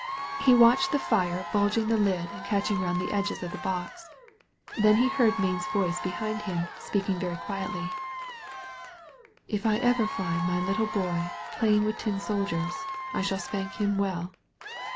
He watched the fire bulging 235 THE VALLEY OP VISION the lid and catching round the edges of the box. Then he heard Mayne's voice behind him, speaking very quietly. "If ever I find my little boy playing with tin sol diers^ I shall spank him well.